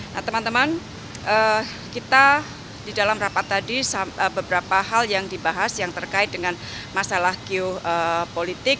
nah teman teman kita di dalam rapat tadi beberapa hal yang dibahas yang terkait dengan masalah geopolitik